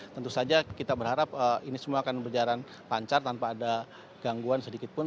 tentu saja kita berharap ini semua akan berjalan lancar tanpa ada gangguan sedikit pun